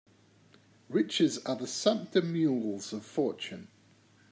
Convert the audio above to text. Riches are the sumpter mules of fortune.